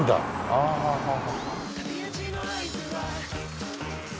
ああはあはあ。